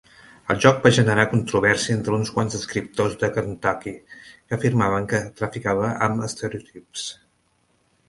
El joc va generar controvèrsia entre uns quants escriptors de Kentucky, que afirmaven que traficava amb estereotips.